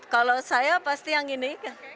kalau saya pasti yang ini